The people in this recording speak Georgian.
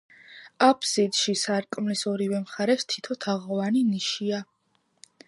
აფსიდში, სარკმლის ორივე მხარეს, თითო თაღოვანი ნიშია.